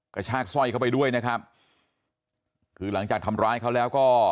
กระชากสร้อยเข้าไปด้วยนะครับคือหลังจากทำร้ายเขาแล้วก็